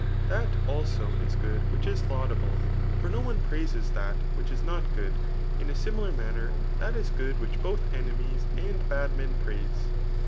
That, also, is good which is laudable ; for no one praises that which is no^ good* In a similar manner that is good which both enemies and bad men. praise.